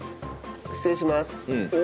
失礼します。